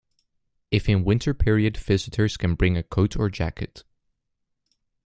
If in winter period, visitors can bring a coat or jacket.